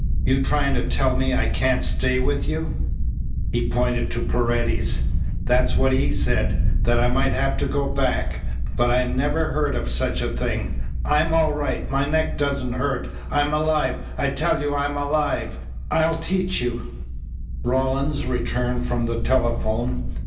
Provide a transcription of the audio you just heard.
"You trying to tell me I can't stay with you?" He pointed to Paredes. "That's what he said that I might have to go back, but I never heard of such a thing. I'm all right. My neck doesn't hurt. I'm alive. I tell you I'm alive. I'll teach you " Rawlins returned from the telephone.